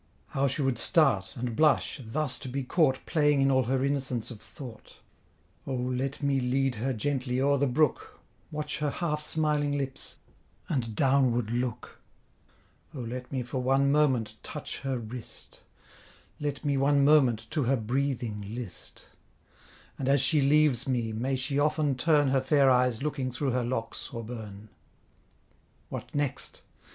How she would start, and blush, thus to be caught Playing in all her innocence of thought. O let me lead her gently o'er the brook, Watch her half smiling lips, and downward look; O let me for one moment touch her wrist; Let me one moment to her breathing list; And as she leaves me may she often turn Her fair eyes looking through her locks auburne. What next?